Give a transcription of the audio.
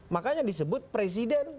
makanya disebut presiden